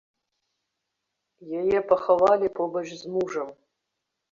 Яе пахавалі побач з мужам.